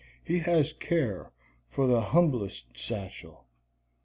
He has care for the humblest satchel.